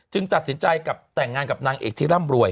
ตัดสินใจกับแต่งงานกับนางเอกที่ร่ำรวย